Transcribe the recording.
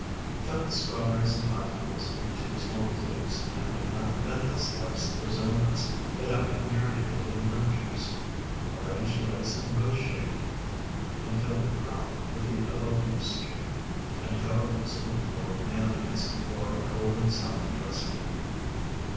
Cut the strawberries and pineapples into small cubes, and add thinly sliced Brazil nuts that have been marinated in lemon juice. Arrange lettuce in rose shape, and fill the crown with the above mixture, and cover with a spoonful of mayonnaise or golden salad dressing.